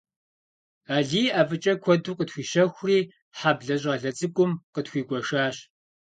Алий ӀэфӀыкӀэ куэду къытхуищэхури, хьэблэ щӀалэ цӀыкӀум къытхуигуэшащ.